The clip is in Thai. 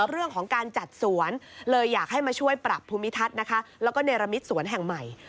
เรื่องของการจัดสวนเลยอยากให้มาช่วยปรับภูมิทัศน์นะคะแล้วก็เนรมิตสวนแห่งใหม่